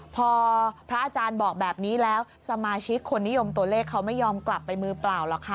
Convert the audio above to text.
พอพระอาจารย์บอกแบบนี้แล้วสมาชิกคนนิยมตัวเลขเขาไม่ยอมกลับไปมือเปล่าหรอกค่ะ